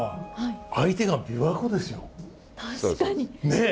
ねえ。